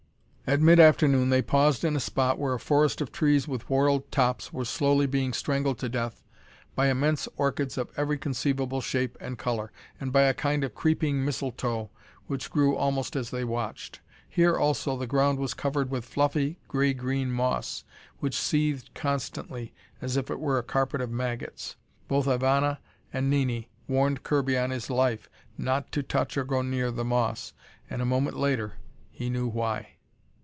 At midafternoon they paused in a spot where a forest of trees with whorled tops were slowly being strangled to death by immense orchids of every conceivable shape and color, and by a kind of creeping mistletoe which grew almost as they watched. Here also, the ground was covered with fluffy, grey green moss which seethed constantly as if it were a carpet of maggots. Both Ivana and Nini warned Kirby on his life not to touch or go near the moss, and a moment later he knew why.